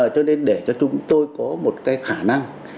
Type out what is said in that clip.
cho nên để cho chúng tôi có một cái khả năng